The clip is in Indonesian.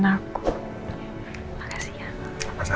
nggak ada apa apa